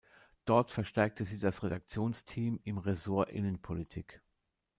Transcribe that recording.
Dort verstärkte sie das Redaktionsteam im Ressort Innenpolitik.